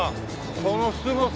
このすごさ。